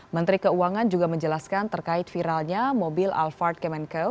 menteri keuangan juga menjelaskan terkait viralnya mobil alphard kemenkeu